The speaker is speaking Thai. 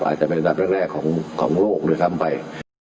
อาจจะเป็นอันดับแรกของโลกด้วยซ้ำไป